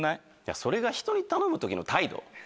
それが人に頼む時の態度